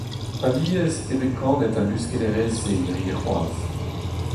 Alies e vez kanet al luskellerez-se hiziv c'hoazh.